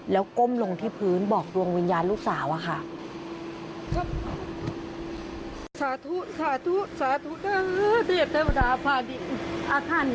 แล้วก้มลงที่พื้นบอกดวงวิญญาณลูกสาวอะค่ะ